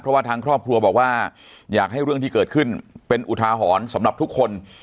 เพราะว่าทางครอบครัวบอกว่าอยากให้เรื่องที่เกิดขึ้นเป็นอุทาหรณ์สำหรับทุกคน